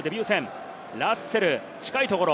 そしてラッセル近いところ。